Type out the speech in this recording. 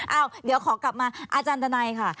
เอ้าเดี๋ยวขอกลับมาอาจารย์ดนัยค่ะ